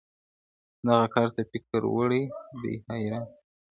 دغه کار ته فکر وړی دی حیران دی,